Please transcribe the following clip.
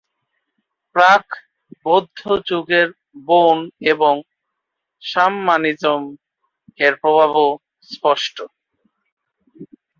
প্রাক-বৌদ্ধ যুগের বোন এবং শামমানিজম-এর প্রভাবও স্পষ্ট।